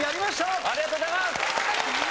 ありがとうございます！